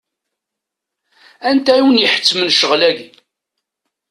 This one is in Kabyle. Anta i wen-iḥettmen ccɣel-agi?